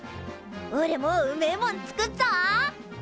おれもうめえもん作っぞ！